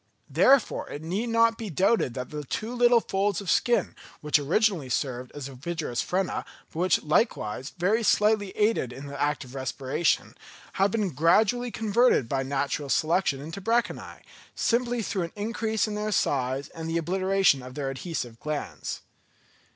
Therefore it need not be doubted that the two little folds of skin, which originally served as ovigerous frena, but which, likewise, very slightly aided in the act of respiration, have been gradually converted by natural selection into branchiæ, simply through an increase in their size and the obliteration of their adhesive glands.